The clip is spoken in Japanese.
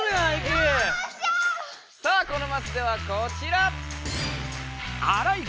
さあこのマスではこちら！